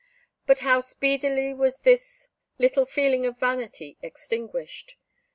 But how speedily was this little feeling of vanity extinguished!